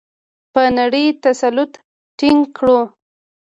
په نړۍ تسلط ټینګ کړو؟